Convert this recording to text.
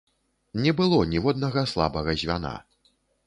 Не было ніводнага слабага звяна.